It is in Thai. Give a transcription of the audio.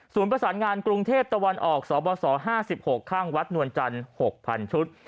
ประสานงานกรุงเทพตะวันออกสบส๕๖ข้างวัดนวลจันทร์๖๐๐๐ชุด